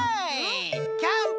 キャンプ